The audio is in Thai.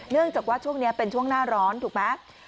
เนื่องจากว่าช่วงนี้เป็นช่วงหน้าร้อนถูกไหม